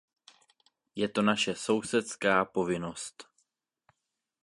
Je to naše sousedská povinnost.